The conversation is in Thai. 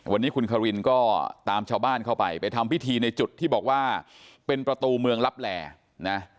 วันนี้คุณคารินก็ตามชาวบ้านเข้าไปไปทำพิธีในจุดที่บอกว่าเป็นประตูเมืองลับแหล่นะ